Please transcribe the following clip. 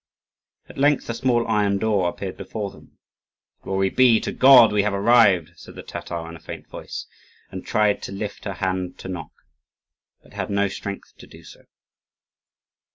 At length a small iron door appeared before them. "Glory be to God, we have arrived!" said the Tatar in a faint voice, and tried to lift her hand to knock, but had no strength to do so.